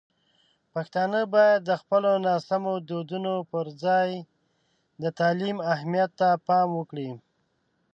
پښتانه باید د خپلو ناسمو دودونو پر ځای د تعلیم اهمیت ته پام وکړي.